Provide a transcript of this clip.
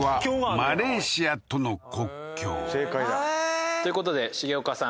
マレーシア正解だへえーということで重岡さん